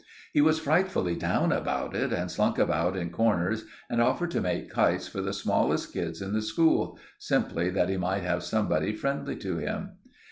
He was frightfully down about it, and slunk about in corners and offered to make kites for the smallest kids in the school—simply that he might have somebody friendly to him.